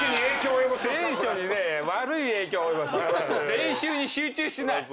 練習に集中しない。